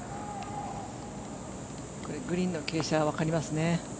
これ、グリーンの傾斜わかりますね。